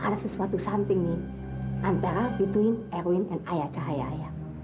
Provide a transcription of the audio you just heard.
ada sesuatu something nih antara between erwin dan ayah cahaya ayah